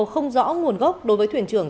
không rõ nguồn gốc đối với thuyền trưởng